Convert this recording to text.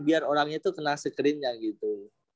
biar orangnya itu kena screennya gitu